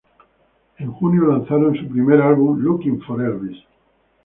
En junio lanzaron su primer álbum, "Looking for Elvis".